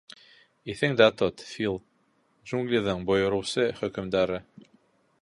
Иҫендә тот: Фил — джунглиҙың бойороусы Хөкөмдары.